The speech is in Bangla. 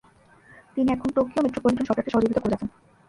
তিনি এখন টোকিও মেট্রোপলিটন সরকারকে সহযোগিতা করে যাচ্ছেন।